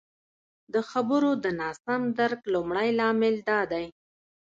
د خبرو د ناسم درک لمړی لامل دادی